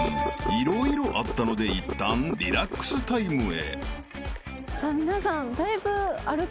［色々あったのでいったんリラックスタイムへ］